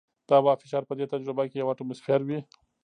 د هوا فشار په دې تجربه کې یو اټموسفیر وي.